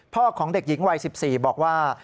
ของเด็กหญิงวัย๑๔บอกว่า